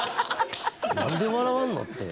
何で笑わんのって。